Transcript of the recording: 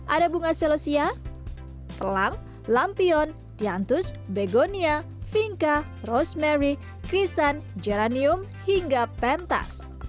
ada bunga selosia pelang lampion tiantus begonia vinka rosemary krisan geranium hingga pentas